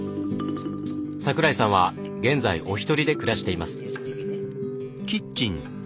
桜井さんは現在お一人で暮らしています。